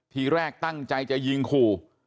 ทีแรกตั้งใจจะยิงขู่